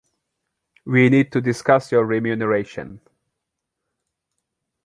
We need to discuss your remuneration.